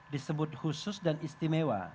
disebut khusus dan istimewa